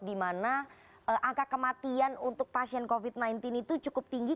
di mana angka kematian untuk pasien covid sembilan belas itu cukup tinggi